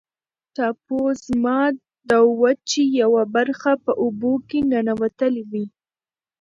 ټاپووزمه د وچې یوه برخه په اوبو کې ننوتلې وي.